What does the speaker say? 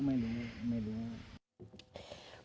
ไม่รู้